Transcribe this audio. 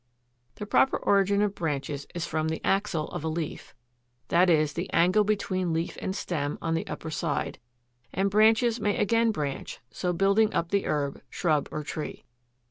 The proper origin of branches is from the AXIL of a leaf, i. e. the angle between leaf and stem on the upper side; and branches may again branch, so building up the herb, shrub, or tree.